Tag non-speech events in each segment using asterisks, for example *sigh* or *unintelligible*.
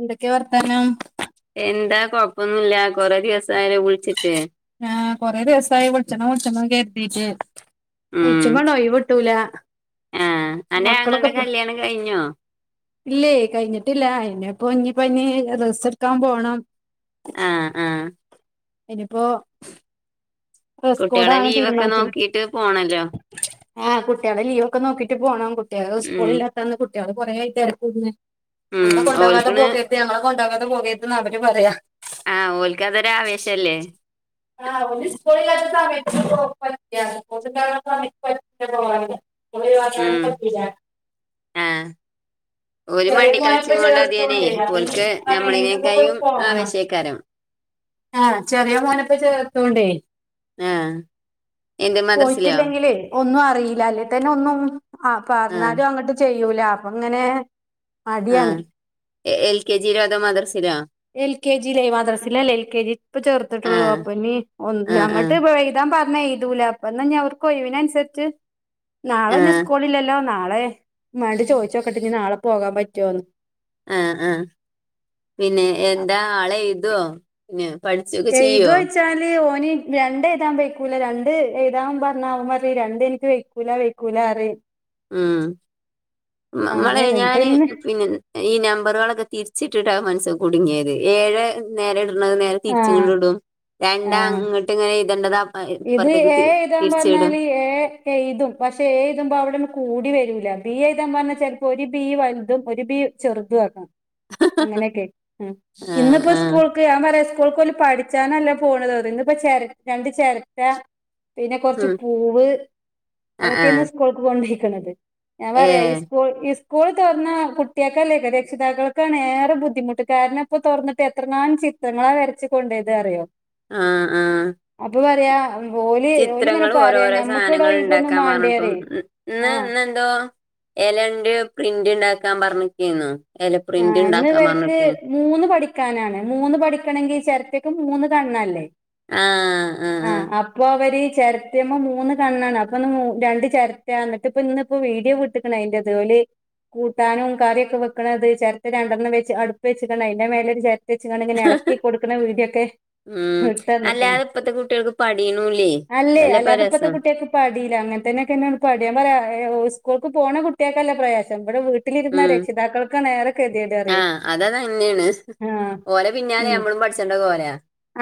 എന്തൊക്കെ വർത്താനം എന്താ കൊഴപ്പൊന്നുല്ല കൊറെ ദിവസം ആയില വിളിച്ചിട്ട് ആഹ് കൊറെ ദിവസായി വളിച്ചനോ മുച്ചെനോ കര്തീട്ട് ഉം വിളിച്ചുങോണ്ട ഒഴിവ് കിട്ടൂല ആഹ് അന്റെ മക്കളൊക്കെ ആങ്ങളുടെ കല്യാണം കഴിഞ്ഞോ ഇല്ലേ കഴിഞ്ഞിട്ടില്ല അയിന്പ്പ ഇഞ്ഞി ഡ്രസ്സ്‌ എടുക്കാൻ പോണം ആ ആ ഇനിപ്പോ കുട്ടികളെ ലീവൊക്കെ തീരുമാനിച്ചത് നോക്കിട്ട് പോണല്ലോ ആഹ് കുട്ടികളെ ലീവ് ഒക്കെ നോക്കിട്ട് പോകണം കുട്ടികള് സ്കൂള ഉം ന്ന് കുട്ടികള് കൊറേ ആയി രക്കൂന്ന് ഉം അങ്ങെ കൊണ്ടപോകെ ഓൽക്കണ് പോക ഞങ്ങളെ കൊണ്ടാവാതെ പോവര്ത്ന്ന് അവര് പറയാ ആഹ് ഓൽക്കാതൊരു ആവേശല്ലേ ആഹ് ഓല് സ്കൂൾ ഇല്ലാത്ത സമയത്തൊക്കെ പോവാൻ പറ്റാ. സ്കൂൾ ണ്ടാവ്ണ സമയത്ത് പറ്റൂല പോവാന്. ഉം *unintelligible* ആഹ് ഓല് ചെറിയ മണ്ടി പോപ്പ കളിച്ചും ചേർത്തൊണ്ടെ കൊണ്ട് ദസം ഉണ്ട അതിയനെ ഓൽക്ക് എണെങ്കിലക്കൊ ഞമ്മളിനേക്കായും പോകണം ആവേശേക്കാരം ആഹ് ചെറിയ മോനപ്പെ ചേർത്ത്യോണ്ടേ ആഹ് എന്ത് മദ്രസിലോ പോയിട്ടില്ലെങ്കിൽ ല്ല ഒന്നും അറിയില്ല അല്ലെ തന്നെ ഒന്നും ആഹ് ആഹ് പറഞ്ഞാലും അങ്ങോട്ട് ചെയ് യ്യൂല അപ്പ അങ്ങനെ മടിയാണ് ആഹ് എൽ കെ ജിലോ അതോ മദ്രസിലോ എൽ കെ ജി ലേ മാദ്രസ്സിലല്ല എൽ കെ ജി ഇപ്പൊ ചേർത്തിട്ടുള്ളൂ ആഹ് അപ്പ ഒ ആഹ് ആഹ് അങ്ങോട്ട് എഴുതാൻ പറഞ്ഞ ഇതൂല അപ്പ എന്നാ ഞാ അവർക്കൊയ്വിനൻസര്ച്ച് അനുസരിച്ച് നാളെ ഇഞ് ആഹ് സ്കൂളില്ലല്ലോ നാളെ വേണ്ട ചോദിച്ചോക്കട്ട് ഇഞ് നാളെ പോകാൻ പറ്റുവോന്ന് ആഹ് ആഹ് പിന്നെ എന്താ ആള് എയ്തോ പിന്നെ പഠിച്ചൊ എയ്തോയ്ച്ചാല് ഓന് രണ്ട് എയ്താൻ വെയ്ക്കൂല രണ്ട് എഴുതാൻ പറഞ്ഞാല് ഓന് പറിം രണ്ട് ഇന്ക്ക് വെയ്ക്കൂല വെയ്ക്കൂല പറിം ഉം നമ്മളെ അങ്ങനെയാണ് ഇപ്പൊ ഞാന് ഇന്ന് പിന്നെ ഈ നമ്പറുകളൊക്കെ തിരിച്ചിട്ടിട്ടാണ് മൻസൻ കുടുങ്ങിയത് ഏഴെ നേരെ ഇട്ണത് നേരെ തിരിച്ച് ആഹ് ഇങ്ങട്ട് ഇടും രണ്ടാ ആഹ് ഇങ്ങട്ട് ഇങ്ങനെ എഴ്തേണ്ടത് ഇത് ഏ എഴ്താൻ പറഞ്ഞാല് ഏ എഴുതും പക്ഷെ ഏ എഴ്‌തുമ്പോ അവിടെ ഒന്നും കൂടി വരൂല ബി എഴ്‌താൻ പറഞ്ഞാ ചെലപ്പോ ഒരു ബീ വലുതും ഒരു ബി ചെറുത് വാക്കാ അങ്ങനെയൊക്കെ ഉം ആ ഇന്നിപ്പോ ആ സ്കൂൾ ഇപ്പൊ ഞാൻ പറയാ സ്കൂൾക് ഓല് പഠിച്ചാനല്ല പോണത് ഇന്ന് ഇപ്പൊ ചെര രണ്ട് ചിരട്ട പിന്നെ കുറച്ച് ഉം പൂവ് ആ അതൊക്കെ ആ ഇന്ന് സ്കൂൾക്ക് കൊണ്ടേയ്ക്ണത് ഞാൻ ഏ പറയാ ഈ സ്കൂൾ ഈ സ് സ്കൂൾ തൊറന്നാ കുട്ടികൾക്കല്ല രക്ഷിതാക്കൾക്കാണ് ഏറെ ബുദ്ധിമുട്ട് കാരണം ഇപ്പോ തൊറന്നിട്ട് എത്രങ്ങാനും ചിത് എത്രണ്ണാ വരച്ച് കൊണ്ടേയ്ത് അറിയോ ആഹ് ആഹ് അപ്പൊ പറയാ ഓല് ഓലിങ്ങനെ ചിത്രങ്ങൾ പറയാ ഓരോഓരോ ഞമ്മക്കിവിടെ സാനങ്ങൾ ഒഴിവൊന്നും ണ്ടാക്കാൻ മാണ്ടേ പറഞ്ഞിട്ടും പറയും ഇന്ന് ആഹ് ഇന്നെന്തോ ഇലന്റെ പ്രിന്റ് ണ്ടാക്കാൻ പറഞ്ഞക്കേന്നു ഇല പ്രിന്റ് ആഹ് ഇന്ന് ണ്ടാക്കാൻ ഇവർക്ക് പറഞ്ഞക്കേന്നു മൂന്ന് പഠിക്കാനാണ് മൂന്ന് പഠിക്കണെങ്കിൽ ചെര്റ്റക്ക് മൂന്ന് കണ്ണല്ലേ ആഹ് ആഹ് ആഹ് അപ്പൊ അവര് ചെര്റ്റെമ്മേ മൂന്ന് കണ്ണാണ് അപ്പൊ ഒന്ന് രണ്ട് ചെര്റ്റാന്ന് ഇത് ഇന്നിപ്പോ വീഡിയോ വിട്ട്ക്ണ് അയ്ന്റെത് ഓല് കൂട്ടാനും കറി ഒക്കെ വെക്ക്‌ണത് ചെരറ്റ രണ്ടെണ്ണം വെച്ച് അടുപ്പ് വെച്ച്കാണ്ട് അയ്ന്റെ മേല ഒര് ചെരറ്റ വെച്ച് കാണ്ട് ഇങ്ങനെ ഇളക്കി കൊടുക്കണ വീടിയൊക്കെ ഉം അല്ലാതെ ഇപ്പത്തെ കുട്ടികൾക്ക് പണി ഒന്നും ഇല്ലേയ് അതല്ലേ ഇപ്പൊ രസം പടീല അങ്ങൻത്തന്നെയൊക്കെന്നെ പഠിയാ ഞാൻ പറിയ സ്കൂൾക്ക് പോണ കുട്ടികൾക്കല്ല പ്രയാസം ഇവിടെ വീ ട്ടിലിരുന്ന രക്ഷിതാക്കൾക്കാണ് ഏറെ കെതിയേട് പറയെ ആഹ് അത് തന്നെയാണ് ആഹ് ഓലെ പിന്നാലെ ഉം നമ്മളും പഠിച്ചണ്ട കോല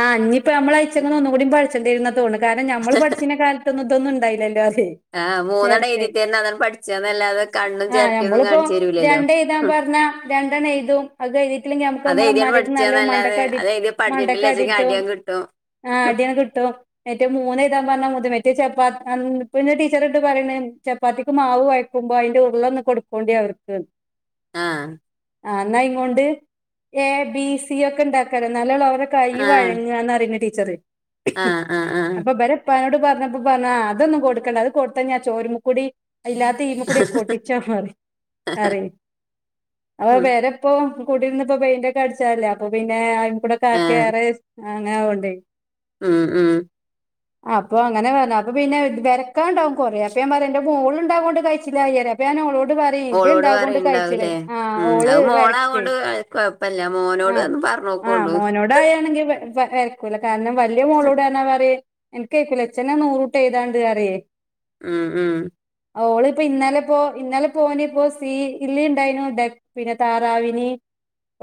ആഹ് ഞ്ഞിപ്പ അമ്മൾ അയ്ച്ചങ്ങന്ന് ഒന്നും കൂടി പഠിച്ചെണ്ടിരുംന്നാണ് തോണത് കാരണം നമ്മള് പഠിചീന കാല അന്ന് ഇതൊന്നും ണ്ടായില്ലല്ലോതെ ആഹ് മൂന്ന് എണ്ണം എഴുതിറ്റെന്നെ അതാണ്ട് പഠിച്ചന്നല്ലാതെ കണ്ണും ആഹ് ചെരട്ടിയൊന്നും ഞമ്മളിപ്പോ കാണിച്ചുരൂല്ലേ രണ്ട് എഴ്താൻ പർഞ്ഞ രണ്ട് ന്ന് എഴുതും അത് എഴുതിട്ടില്ലെകിൽ നമുക്ക് അത് മ്മളെ എഴുതിയാണ് ഇമ്മാന്റെ എടുത്തിന്ന് നല്ലോം പഠിച്ചാന്നല്ലാതെ മണ്ടക്കടി അത് എഴുതി പഠിച്ചിട്ടില്ല മണ്ടക്ക്‌ വെച്ചെങ്കിൽ അടിട്ടും അടിയാൻ കിട്ടും ആഹ് അടി ഒക്കെ കിട്ടും ഏറ്റേ മൂന്ന് എഴ്താൻ പറഞ്ഞാൽ *unintelligible* മറ്റേ ചപ്പാ പിന്നെ ടീച്ചർ ഇട്ട് പറയണ ചപ് പ്പാത്തിക്ക് മാവ് കൊയ്ക്കുമ്പോ അതിന്റെ ഉരുള ഒന്ന് കൊടുക്കോണ്ടി അവർക്ക് ആഹ് ആഹ് ഇന്നാ അയ്നോണ്ട് എ ബി സി ഒക്കെ ഉണ്ടാകാലോ ഇന്നാലല്ലേ അവരെ ആ കയ്യ് വഴങ്ങാന്ന് പറിന് ടീച്ചറ് ആ ആ ആ അപ്പൊ ഇബരെ പ്പാനോട് പറഞ്ഞപ്പോ പറഞ്ഞ അതൊന്നും കൊടുക്കണ്ട അത് കൊട്ത്താ ഇഞ്ഞി ആ ചോരുമ്മക്കൂടി അയ് ഇല്ലാത്ത ഈ കൂടി ഒക്കെ ഒട്ടിച്ചാ പറി അറിം അപ്പ ഉം പെര ഇപ്പോ കൂടിര്ന്ന് ഇപ്പോ പെയിന്റ് ഒക്കെ അടിച്ചതല്ലേ അപ്പൊ പിന്നെ അയിൻമകൂടൊക്കെ ആ ആര്ക്കെ ഏറെ ആഹ് അങ്ങനെ ആവോണ്ടേ ഉം ഉം അപ്പൊ അങ്ങനെ പറഞ്ഞ് അപ്പൊ പിന്നെ വരക്കാൻണ്ടാവും കൊറേ അപ്പ ഞാൻ പറ എന്റെ മോള് ണ്ടായതോണ്ട് കയ്ച്ചിലായിറിയ അപ്പൊ ഞാൻ ഓളോട് പറയും ഇജ് ഓളോട് ഇണ്ടായതോണ്ട് പറയുണ്ടാവൂലേ കയ്ച്ചിലായി ഉം അഹ് മോളാവോണ്ട് കൊഴപ്പല്ല മോനോട് ഒന്ന് പറഞ്ഞു നോക്കോണ്ടു ഇവിടെ ആയാണെങ്കിൽ വരക്കൂല്ല കാരണം വലിയ മോളോട് പറഞ്ഞാ പറിം എന്ക്ക് വെയ്ക്കൂല ഇച്ചെന്നെ നൂറൂട്ട് എയ്താണ്ട് അറിയേ ഉം ഉം ഓള് ഇപ്പോ ഇന്നലെപ്പോ ഇന്നലെ പോന് ഇപ്പോ സി ഇലിണ്ടായ്നു എഹ് പിന്നെ താറാവിനിം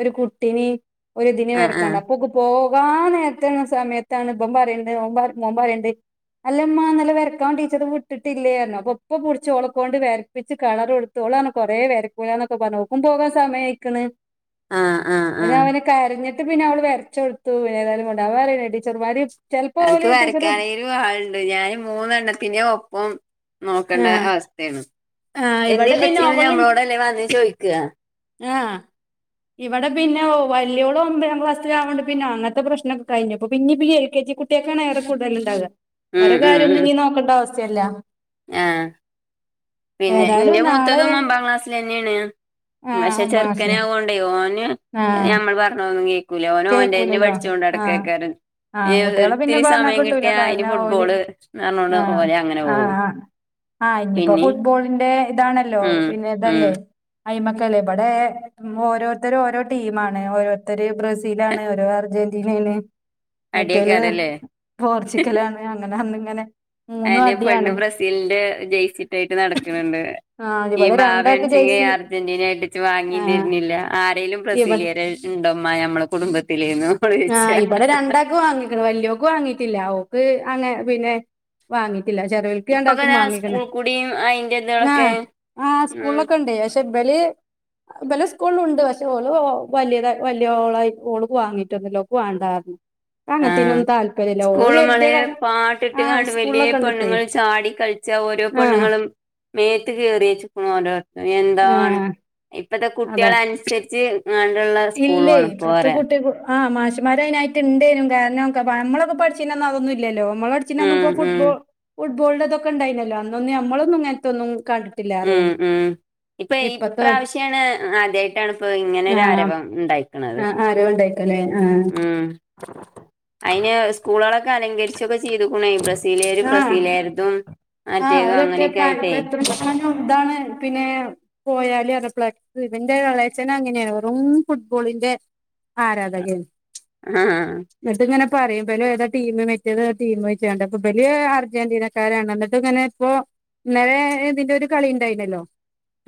ഒരു കുട്ടിനീം ഒരുതിനിം ആഹ് വരക്കാണ്ട് ആഹ് അപ്പോക്ക് പോവാന്നേരത്താണ് സമയത്താണ് ബൻ പറിണ്ട് ഓൻപ മോം പറിണ്ട് അല്ലമ്മാന്നലെ വരക്കാൻ ടീച്ചർ വിട്ടിട്ടില്ലേന്ന് അപ്പൊപ്പൊ പിടിച്ചോളക്കോണ്ട് വര് പിച്ച് കളറൊടുത്ത് ഓളറഞ്ഞ് കൊറേ വരക്കൂലാന്നൊക്കെ പർഞ്ഞു ഓം പോവാൻ സമയയ്ക്ക്ണ് ആഹ് ആഹ് ഒ ആഹ് രാവിലെ കരഞ്ഞിട്ട് പിന്നെ അവള് വരച്ച് കൊടുത്തു പിന്നേതാലും വേണ്ടില്ല *unintelligible* പറേണെ ടീച്ചർമാര് ചെലപ്പോ അനക്ക് ഓല് ടീച്ചറ് വരക്കാനേലും ആളുണ്ട് ഞാന് മൂന്നെണ്ണത്തിന്റെ ഒപ്പം നോക്കണ്ട ആഹ് അവസ്ഥയാണ് ആഹ് ഇവിടെ പിന്നെ *unintelligible* അവള് നമ്മളോടല്ലേ വന്ന് ചോയിക്കുക ആഹ് ഇവിടെ പിന്നെ ഓ വല്യോള് ഒമ്പതാം ക്ലാസ്സിലാവോണ്ട് പിന്നെ അങ്ങനത്തെ പ്രശ്നൊക്കെ കഴിഞ്ഞിപ്പോ പിന്നിപ്പോ എൽ കെ ജി കു ട്ടിക്കാണ് ഏറെ കൂടുതൽ ഉണ്ടാവുക ഉം ഓരടെ ഉം കാര്യവൊന്നും ഉം ഇനി നോക്കേണ്ട ആവശ്യവില്ല. ആഹ് പിന്നെ ഏതായാലും ഇന്റെ നാളെ മൂത്തതും ഒമ്പതാം ക്ലാസ്സില് തന്നെയാണ്. ആ പക്ഷെ ഒമ്പതാം ക്ലാസ്സിലെ ചെറുക്കനാവോണ്ട് ഓന് ആ നമ്മള് പറഞ്ഞാ ഒന്നും കേ ൾക്കൂല ഓന് ഓൻ്റെ തന്നെ കേക്കൂലല്ലോ ആ പഠിച്ചോണ്ടടയ്ക്കയ്ക്കാരം. ഇ ആൺകുട്ടികളെ പിന്നെ ഒരിത്തിരി പറഞ്ഞാ സമയം കിട്ടൂല കിട്ടിയാ അയിന് കാരണം ഓല് ഫുട്ബോള് എന്ന് പറഞ്ഞോണ്ട് ഓല് അങ്ങനെ പോവും. ആഹ് ഇനിയിപ്പോ പിന്നിം ഫുട്ബോളിന്റെ ഇതാണല്ലോ ഉം പിന്നെ ഉം ഇതല്ലേ അയ്മേക്കല്ലേ ഇബടെ ഉം ഓരോരുത്തര് ഓരോ ടീമാണ് ഓരോരുത്തര് ബ്ര സീലാണ് ഒരാള് അർജന്റീനേ മറ്റോല് അടിയേക്കാരല്ലേ പോർച്ചുഗലാണ് അങ്ങനെ വന്നിങ്ങനെ അയിന് പെണ്ണ് ബ്രസീലിന്റെ ജേഴ്സിയിട്ടെയിട്ട് നടക്കണുണ്ട് ആ ഈ ഇവിടെ രണ്ടാൾക്ക് ബാബേണച്ചെങ്കി ജേഴ്സി അർജന്റീനായിട്ട് വാങ്ങി ആ തരുന്നില്ല. ആരേലും ഇവിടെ ബ്രസീലിയരെ ഇണ്ടമ്മ നമ്മളെ കുടുംബത്തിലേന്ന് ആഹ് ഇവിടെ രണ്ടാക്ക് വാങ്ങീക്കണ്. വല്യോയോക്ക് വാങ്ങീട്ടില്ല ഓക്ക് അങ്ങ പിന്നെ വാങ്ങി യില്ല ചെറ്യോൽക്ക് ഇപ്പൊക്കെ രണ്ടാക്കും ദാ വാങ്ങീക്കണ് സ്കൂൾ കൂടിയും അയിന്റെ എന്നാ ഇതളൊക്കെ ആഹ് ഉം സ്കൂളിലൊക്കെ ഉണ്ട് ഇബല് ഇബലെ സ്‌കൂളിലുമുണ്ട് പക്ഷേ ഓള് ഒ വലിത് വല്യോളായി ഓളക്ക് വാങ്ങീട്ടൊന്നുവില്ല ഓക്ക് വേണ്ടാ പറഞ്ഞു ആഹ് സ്കൂൾ മാളെ കരുതിയ ക പാട്ടിട്ട് ആഹ് ക്കാണ്ട് വലിയേ സ്കൂളിലൊക്കെ ഇണ്ട് ഇപ്പേ പെണ്ണുങ്ങൾ ചാടിക്കളി ച്ചാ ഓരോ ആഹ് പെണ്ണുങ്ങളും മേത്ത് കീറി വെച്ചക്കണു ഓൻ്റെ *unintelligible* എന്താണ് ആഹ് ഇപ്പത്തെ അതാ കുട്ടികളനുസരിച്ച് അങ്ങനുള്ള സ്കൂള് വേണം ഇപ്പൊ പറയാ ആഹ് മാഷമ്മാര് അയിനായിട്ട് ഉണ്ട് താനും കാരണം ക്ക നമ്മളൊക്കെ പഠിച്ചീനന്ന് അതൊന്നും ഇല്ലല്ലോ നമ്മള ച്ച് ഉം നന്നുപ്പോ ഉം ഫുട്ബോൾ ഫുട്ബോളിന്റെ ഇതൊക്കെയുണ്ടായിനല്ലോ അന്നൊന്ന് നമ്മളൊന്നും ഇങ്ങനത്തൊന്നും കണ്ട് ഉം ഉം ഇപ്പൊ ഇപ്രാവശ്യാണ് ആദ്യായിട്ടാണ് ഇപ്പോ ഇങ്ങനൊരു ആരവം ഉണ്ടായി ആഹ് ആരവണ്ടയിക്കലേ ആഹ്. ഉം അയിന് സ്കൂളാളൊക്കെ അലങ്കരിച്ചൊക്കെ ചെയ്തുക്കുണേ ബ്ര സീലുകാര് ആ ബ്രസീലുകാരുടേതും മറ്റേത് അങ്ങനെയൊക്കെ ആയിട്ടേ തനും ഇതാണ് പിന്നെ പോയാല് അത് ഫ്ലക്സ് ഇവൻ്റെ എളേച്ചനങ്ങനേണ് വെറും ഫുട്ബോളിന്റെ ആരാധകയാണ് ആഹ് എന്നിട്ടിങ്ങനെ പറയും *unintelligible* ഇബല് അർജന്റീനക്കാരാണ് എന്നിട്ട് ഇങ്ങനെ ഇപ്പോ ഇന്നലെ ഇതിന്റെ ഒരു കളി ഇണ്ടായിനല്ലോ?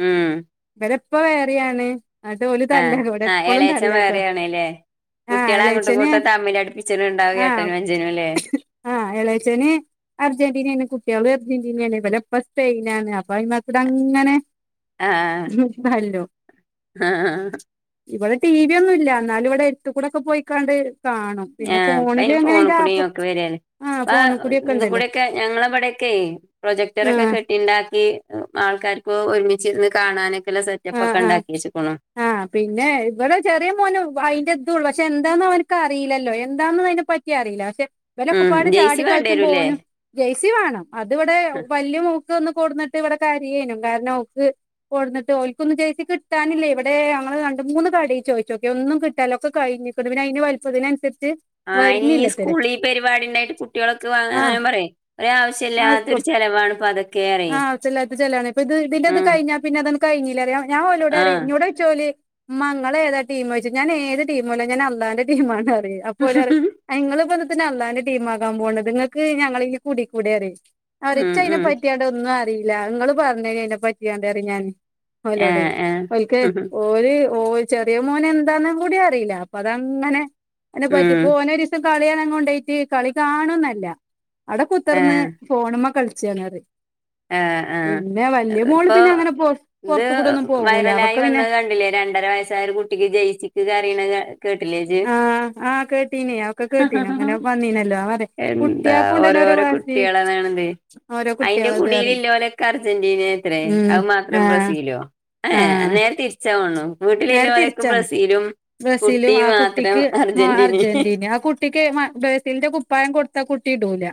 ഉം ഇവരെപ്പ വേറെയാണ്. എന്നിട്ട് ഓല് ആഹ് തല്ലാക്കും ഇവിടെ ആഹ് എപ്പളും ഏളേയച്ചൻ തല്ലാക്കാ വേറെയാണ് അല്ലേ? ആഹ് കുട്ടികളെ എളേച്ചന് അങ്ങോട്ടുമിങ്ങോട്ടും തമ്മിലടുപ്പിച്ചിണുണ്ടാവും ആഹ് ഏട്ടനും അനുജനും അല്ലേ? ആഹ് എളയച്ചന് അർജന്റീനയാണ് കുട്ടിയാളും അർജന്റീനയാണ് ഇബല് അപ്പോ സ്പെയിനാണ് അപ്പൊ അയിമേക്ക് ഇത് അങ്ങനെ ആഹ് ഉം തല്ലും ആഹ് ഇവിടെ ടി വി ഒന്നും ഇല്ല എന്നാലും ഇവിടെ അടുത്തുക്കൂടെ പോയിക്കാണ്ട് കാണും പിന്നെ ആഹ് ഫോണില് എങ്ങനെ അതിന്റെ ആപ്പ് ആഹ് ആ ഫോണിൽ കൂടിയൊക്കെ ഇതിൽ ഉണ്ടല്ലോ കൂടെക്കെ ഞങ്ങള് ഇവിടൊക്കെയേ പ്രൊജക്ടറൊക്കെ ആഹ് കെട്ടിയുണ്ടാക്കി ആൾക്കാർക്ക് ഒരുമിച്ചിരുന്ന് കാണാനൊക്കെയുള്ള സെറ്റപ്പ് ഒക്കെ ഉണ്ടാക്കി വച്ചുക്കണ് ആ പിന്നെ ഇവിടെ ചെറിയ മോന് അതിന്റെ ഇത് ഉള്ളൂ പക്ഷെ എന്താന്ന് അവനക്ക് അറിയില്ലല്ലോ എന്താന്ന് അതിനെ പറ്റി- ക്ക അറിയില്ല പക്ഷെ ഇവല് ഉം ഒക്കപ്പാടെ ജെയ്സി വേണ്ടിവരൂല്ലേ? ചാടിക്കളിച്ചുമ്പോണ് ജെയ്സി വേണം അത് ഇവിടെ വലിയ മോൾക്ക് ഒന്ന് കൊട്ന്നിട്ട് ഇവിടെ കരയെന് കാരണം ഓക്ക് *unintelligible* ജെഴ്സി കിട്ടാനില്ലേ ഇവിടെ ഞങ്ങള് രണ്ട് മൂന്ന് കടയി ചോദിച്ചോക്കെ ഒന്നും കിട്ടാലോ ഒക്കെ കഴിഞ്ഞു- *unintelligible* പിന്നെ അതിന് വലിപ്പതിനനുസരിച്ച് ആ അയ്നി ഈ സ്കൂള് ഈ പരിപാടി ഉണ്ടായിട്ട് കുട്ടികളൊക്കെ ആഹ് വാങ്ങാൻ പറയാ ഒരു ആഹ് സ്കൂൾ ആവശ്യമില്ലാതൊരു ചെലവാണ് ഇപ്പ അതൊക്കെ പറയ്. ആഹ് ആവശ്യം ഇല്ലാത്ത ചെലവാണ് ഇപ്പ ഇതിന്റെ അത് ഉം കഴിഞ്ഞ പിന്ന അത് കഴിഞ്ഞീല്ലെ ഞാൻ ഓലോട് പറയും ആഹ് എന്നോട് *unintelligible* ഏതാ ടീം ചോയ്ച്ചും ഞാൻ ഏത് ടീം അല്ല ഞാൻ അള്ളാന്റെ ടീമാണ് പറയും അപ്പോല് പറയും നിങ്ങള് ഇപ്പെന്തിന അള്ളാന്റെ ടീമാകാൻ പോകണത് നിങ്ങൾക്ക് ഞങ്ങളെ കൂടെ കൂടി അറിയും ഉം *unintelligible* ഉം പറ്റിയാണ്ട് ഒന്നും അറിയില്ല നിങ്ങള് പറഞ് തരി അതിനെ പറ്റിയാണ്ട്. അറിഞ്ഞഞാൻ ഓലോടെ ആഹ് ആഹ് ഒൽക്ക് ഓര് ഓ ചെറിയ മോന് എന്താന്ന് കൂടി അറിയില്ല അപ്പ അതങ്ങനെ ഉം പറ്റിപ്പോ ഓന- കളി കാണാൻ കൊണ്ടയിട്ട് കളി കാണോന്നല്ല അവിടെ കുത്തിർന്ന് ആഹ് ഫോണ് മ്മ കളിച്ചാണറയും ആഹ് ആഹ് ആഹ് മോള് ഇപ്പോ പിന്നെ അങ്ങനെ പൊ ഇത് പൊറത്ത് കൂടെ ഒന്നും പോകൂല വൈറലായി അവക്ക് പിന്നെ വന്നത് കണ്ടില്ലേ രണ്ടര വയസ്സായ ഒരു കുട്ടി- കുട്ടിക്ക് ജയ്സിക്ക് കരയ്ണ കേട്ടില്ലേ ജ്ജ് ആഹ് ആഹ് കേട്ടീന് ഒക്കെ കേട്ടീന് അങ്ങനെ വന്നീനല്ലോ എന്താ കുട്ട്യാക്കും ഉണ്ടല്ലോ ഓരോ ഓരോഓരോ വാശി കുട്ടികളാന്നാണത് ഓരോ അയിന്റെ കുട്ട്യാളത് പറയും കുടീൽല്ലലെൊക്കെ അർജന്റീന ത്രേ ഉം അത് മാത്രം ആഹ് ബ്രസീലോ ഏഹ് ആഹ് ഹേ - തിരിച്ചാ തോന്ന് ണ് നേരെ വീട്ടിലില്ലോക്കെ തിരിച്ചാണ് ബ്രസീലും കുട്ടി ബ്രസീലും ആ മാത്രം കുട്ടിക്ക് മ അർജന്റീനയും അർജന്റീന ആ കുട്ടിക്ക് ബ്രസീലിന്റെ കുപ്പായം കൊടുത്ത കുട്ടി ഇടൂല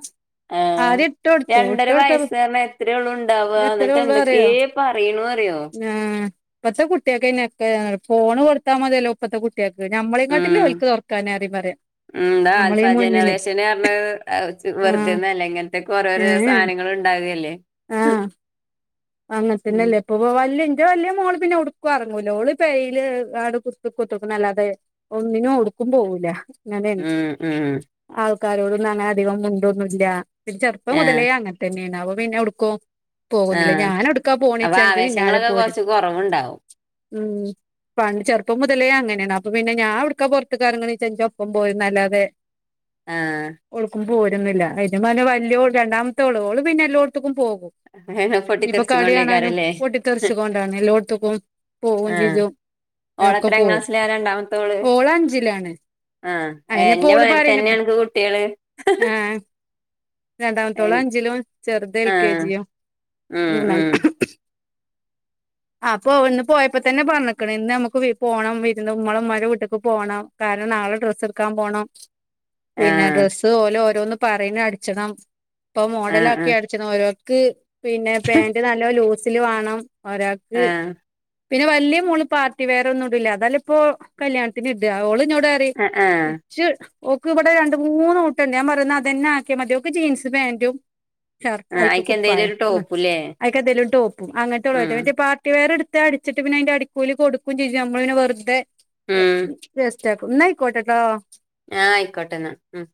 ആഹ് ആദ്യ- രണ്ടര വയസ്സ എത്രയുള്ളൂ ഉണ്ടാവുക എത്രേ എന്നിട്ട് ഉള്ളൂ അറിയോ എന്തൊക്കെയ പറയണ അറിയോ ആഹ് ഇപ്പത്തെ കുട്ടിയകോ ക്കെ ഫോണ് കൊടുത്താൽ മതില്ലേ ഇപ്പത്തെ കു- കുട്ടിയാൾക്ക് ഞമ്മളെകാട്ടിലും ഉം ഓലിക്ക് തുറക്കാൻ അറിയും പറയാ ഉം ന്താ ആൽഫ നമ്മളീ മുന്നില് ജനറേഷൻ പറഞ്ഞ ആഹ് വെറുതെയല്ല ഇങ്ങനത്തെ കൊറേ ഏ ഓരോരോ സാധനങ്ങളണ്ട് ഉണ്ടാകല്ലേ *unintelligible* അങ്ങനത്തന്നല്ലേ ഇപ്പൊ ഓ വല് ഇന്റെ വലിയ മോള് പിന്നെ എടുക്കും ഇറങ്ങൂല ഓള് പേരയില് ആട് കു കുത്തിരിക്കും അല്ലാതെ ഒന്നിനും എടുക്കും പോവൂല അങ്ങനെ ആണ് ഉം ഉം ആൾക്കാരോടുന്നങ്ങനെ അധികം മിണ്ടൊന്നുല്ല പിന്നെ ചെറുപ്പം ആഹ് മുതലേ അങ്ങനെ- *unintelligible* ആഹ് ഞാൻ എവിടുക്കാ അപ്പൊ പോണച്ച ജ്ജെ പിന്നാലെ ആവേശങ്ങളൊക്കെ പോരും കൊറച്ച് കൊറവുണ്ടാവും ഉം ചെറുപ്പം മുതലേ അങ്ങനെയാണ് അപ്പൊ പിന്നെ ഞാൻവിടുക്കാ പുറത്ത് ക്കറങ്ങണോ ച്ചാ ന്റെ ഒപ്പം പോരുണ് അല്ലാതെ ആഹ് ഓൾക്കും പോരുന്നില്ല അതിന് വേണ്ടി വലിയ രണ്ടാമത്തെ ഓള് പിന്നെ എല്ലോടത്തക്കും പോകും. *unintelligible* ഇയിപ്പൊ കളി കാണാനും പൊട്ടിത്തെറിച്ചുകൊണ്ടേക്കാരല്ലേ പൊട്ടിത്തെറിച്ചു കൊണ്ടാണ് എല്ലോടത്തക്കും പോകയും ആഹ് ചിജ്ജും ഒക്കെ ഓളെത്രാം പോവും ക്ലാസ്സിലാ രണ്ടാമത്തോള് ഓള് അഞ്ചിലാണ് ആഹ് ഹേ അയിനിപ്പോ എന്റെ ഓള് പറയണ് മാരിത്തന്നെയണനക്ക് കുട്ടികള് ഏഹ് രണ്ടാമത്തോള് എൻ അഞ്ചിലും ചെറുത് എൽ കെ ആഹ് ജി യും ഉം ഉം അപ്പോ ഇന്ന് പോയപ്പോ തന്നെ പറഞ്ഞക്കണ ഇന്ന് നമുക്ക് പോകണം വീടിന്റെ ഉമ്മള ഉമ്മമാരുടെ വീട്ടേക്ക് പോകണം കാരണം നാളെ ഡ്രസ്സ് എടുക്കാൻ പോണം പിന്നെ ആഹ് ഡ്രസ്സ് ഓലെ ഓരോന്ന് പറയുന്ന അടിച്ചണം ഇപ്പ മോഡല ആഹ് ആക്കി ആഹ് ഒരാൾക്ക് പിന്നെ പാന്റ് നല്ല ലൂസില് വേണം ഒരാൾക്ക് ആഹ് പിന്നെ വലിയ മോള് പാർട്ടി വെയർ ഒന്നും ഇടൂല്ല അതല്ല ഇപ്പോ കല്യാണത്തിന് ഇടാ ഓള്ന്നോട് *unintelligible* ആഹ് ആഹ് ച്ച് ഓക്ക് ഇവിടെ രണ്ട് മൂന്ന് കൂട്ടുണ്ട് ഞാൻ പറയുന്നത് അതന്നെ ആക്കിയാ മതി യോക്ക് ജീൻസ് പാൻറും ഷർട്ട് ആഹ് അയ്ക്ക് അയിക്കെന്തേലും കുപ്പായം ഒരു ഉം ടോപ്പുല്ലേ അയ്ക്കെന്തേലുംടോപ്പും അങ്ങനത്തെ ഉം ഉള്ളപറ്റ മറ്റേ പാർട്ടി വേറെ എടുത്ത് അടിച്ചിട്ട് പിന്നെ അതിന്റെ അടിക്കൂലി കൊടുക്കും ചെയ്യും നമ്മള് പിന്നെ വെറുതെ ഉം വേസ്റ്റാക്കും ന്നാ ആയിക്കോട്ടെ ട്ടോ ആഹ് ആയിക്കോട്ടെ ന്നാ ഉം